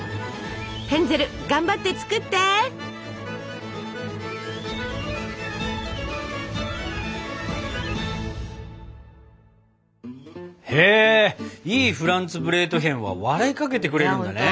ヘンゼル頑張って作って！へいいフランツブレートヒェンは笑いかけてくれるんだね。